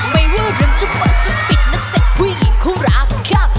ไม่ว่าเริ่มจะเวิกจะปิดนะเสร็ดผู้หญิงเคาราบข้าม